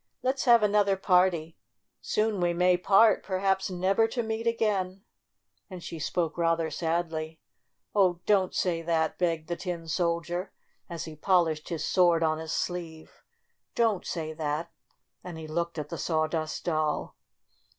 Let's have another party ! Soon we may part, perhaps never to meet again," and she spoke rather sadly. "Oh, don't say that!" begged the Tin Soldier, as he polished his sword on his sleeve. "Don't say that!" and he looked at the Sawdust Doll.